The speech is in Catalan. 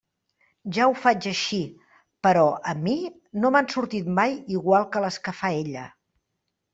Ja ho faig així, però a mi no m'han sortit mai igual que les que fa ella.